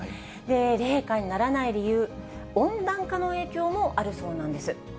冷夏にならない理由、温暖化の影響もあるそうなんです。